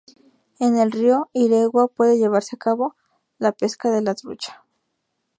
En el río Iregua puede llevarse a cabo la pesca de la trucha.